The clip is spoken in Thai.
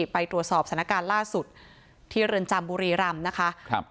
ไปตรวจสอบสถานการณ์ล่าสุดที่เรือนจำบุรีรำนะคะ